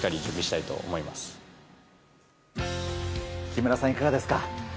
木村さん、いかがですか？